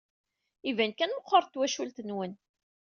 Iban kan meɣɣret twacult-nwen.